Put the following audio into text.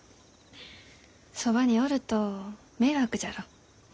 そばにおると迷惑じゃろう？